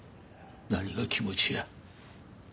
何が気持ちや。